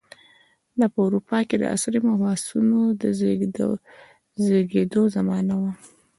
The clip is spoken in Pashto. دا په اروپا کې د عصري محبسونو د زېږېدو زمانه وه.